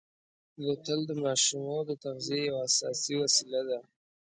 بوتل د ماشومو د تغذیې یوه اساسي وسیله ده.